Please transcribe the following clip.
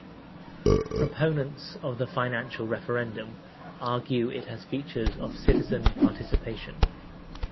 Proponents of the financial referendum argue it has features of citizen participation.